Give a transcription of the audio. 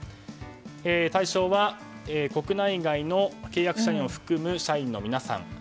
対象は、国内外の契約社員を含む社員の皆さん。